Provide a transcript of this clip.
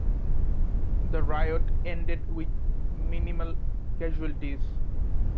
The riot ended with minimal casualties.